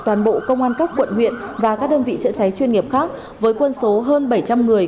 toàn bộ công an các quận huyện và các đơn vị chữa cháy chuyên nghiệp khác với quân số hơn bảy trăm linh người